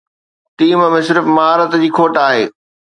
Team ۾ صرف مهارت جي کوٽ آهي.